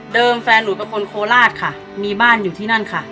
แฟนหนูเป็นคนโคราชค่ะมีบ้านอยู่ที่นั่นค่ะ